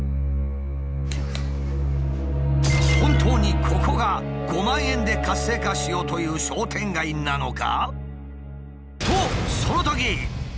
本当にここが５万円で活性化しようという商店街なのか？